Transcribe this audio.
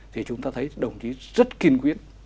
thì chúng ta thấy đồng chí rất kiên quyết